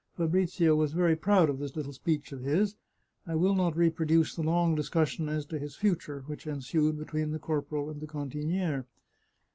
Fabrizio was very proud of this little speech of his. I will not reproduce the long discussion as to his future which ensued between the corporal and the cantiniere.